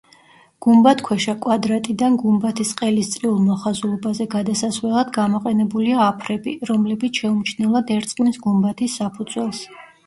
გუმბათქვეშა კვადრატიდან გუმბათის ყელის წრიულ მოხაზულობაზე გადასასვლელად გამოყენებულია აფრები, რომლებიც შეუმჩნევლად ერწყმის გუმბათის საფუძველს.